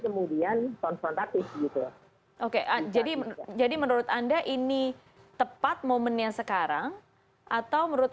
kemudian konfrontatif gitu oke jadi menurut anda ini tepat momennya sekarang atau menurut